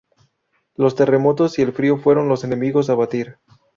Los terremotos y el frío fueron los enemigos a batir.